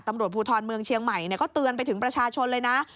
ตำรวจภูทรเมืองเชียงใหม่ก็เตือนไปถึงประชาชนเลยนะ